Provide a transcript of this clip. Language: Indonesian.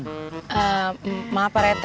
eh maaf pak rt